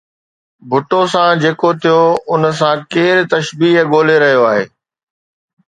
ڀُٽو سان جيڪو ٿيو ان سان ڪير تشبيهه ڳولي رهيو آهي؟